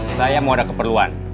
saya mau ada keperluan